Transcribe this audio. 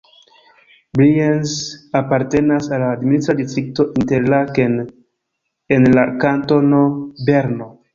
Brienz apartenas al la administra distrikto Interlaken en la kantono Berno.